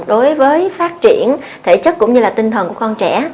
đối với phát triển thể chất cũng như là tinh thần của con trẻ